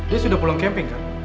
dia sudah pulang camping kan